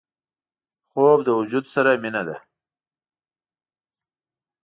خوب د وجود سره مینه ده